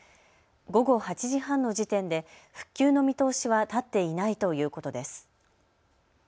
午後８時半の時点で復旧の見通しは立っていないということです。